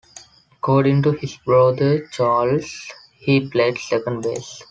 According to his brother Charles, he played second base.